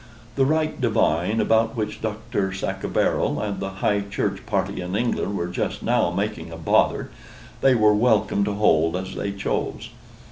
The right divine, about which Dr. Sacheverel and the High Church party in England were just now making a bother, they were welcome to hold as they chose.